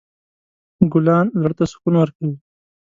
ګلان زړه ته سکون ورکوي.